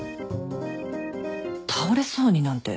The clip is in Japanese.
倒れそうになんて。